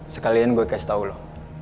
sekalian gue kasih tau loh